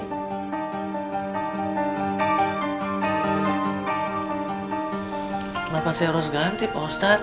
kenapa saya harus ganti pak ustadz